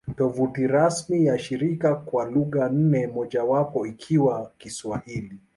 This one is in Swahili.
Tovuti rasmi ya shirika kwa lugha nne, mojawapo ikiwa Kiswahili